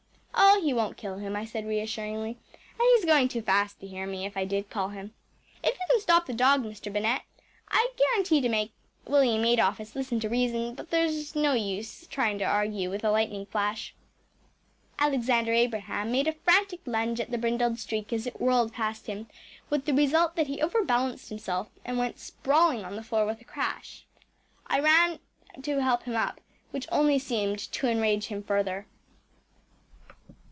“Oh, he won’t kill him,‚ÄĚ I said reassuringly, “and he’s going too fast to hear me if I did call him. If you can stop the dog, Mr. Bennett, I’ll guarantee to make William Adolphus listen to reason, but there’s no use trying to argue with a lightning flash.‚ÄĚ Alexander Abraham made a frantic lunge at the brindled streak as it whirled past him, with the result that he overbalanced himself and went sprawling on the floor with a crash. I ran to help him up, which only seemed to enrage him further.